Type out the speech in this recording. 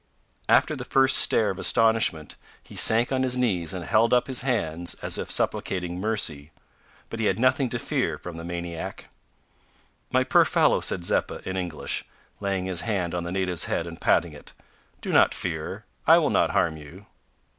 After the first stare of astonishment he sank on his knees and held up his hands as if supplicating mercy. But he had nothing to fear from the maniac. "My poor fellow," said Zeppa, in English, laying his hand on the native's head and patting it, "do not fear. I will not harm you."